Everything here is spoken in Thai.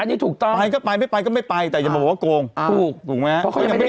อันนี้ถูกต้องเจอไปไม่ไปก็ไม่ลายอย่างคนที่ว่าโกง